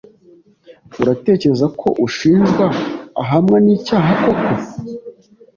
Uratekereza ko ushinjwa ahamwa nicyaha koko?